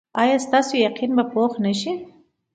ایا ستاسو یقین به پوخ نه شي؟